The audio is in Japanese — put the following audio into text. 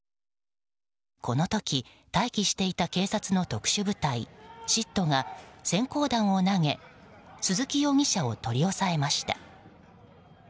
この時、待機していた警察の特殊部隊ＳＩＴが閃光弾を投げ鈴木容疑者を取り押さえました。